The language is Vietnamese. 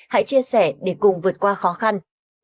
hãy chia sẻ để cùng vượt qua khó khăn